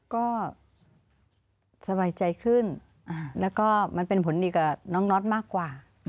ก็สบายใจขึ้นแล้วก็มันเป็นผลดีกับน้องน็อตมากกว่า